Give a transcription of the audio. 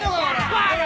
バカ！